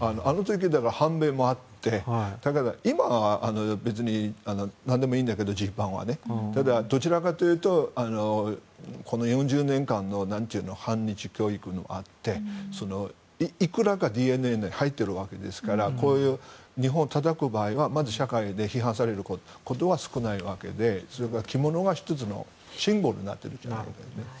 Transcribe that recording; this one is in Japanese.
あの時、反米もあって今は何でもいいんだけどどちらかというとこの４０年間の反日教育のあれでいくらかＤＮＡに入っているわけですから日本をたたく場合は社会に批判されることは少ないわけでそれから着物が１つのシンボルになっているんだよね。